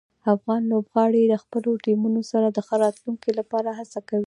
افغان لوبغاړي د خپلو ټیمونو سره د ښه راتلونکي لپاره هڅه کوي.